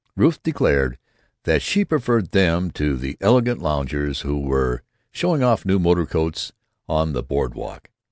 Ruth declared that she preferred them to the elegant loungers who were showing off new motor coats on the board walk.